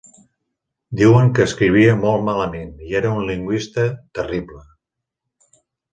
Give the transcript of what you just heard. Diuen que escrivia molt malament i era un lingüista terrible.